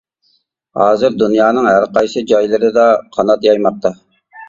ھازىر دۇنيانىڭ ھەرقايسى جايلىرىدا قانات يايماقتا.